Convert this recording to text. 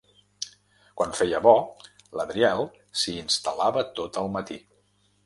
Quan feia bo, l'Adriel s'hi instal·lava tot el matí.